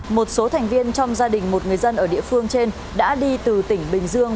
một số thành viên trong gia đình một người dân ở địa phương trên đã đi từ tỉnh bình dương